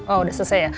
oh udah selesai ya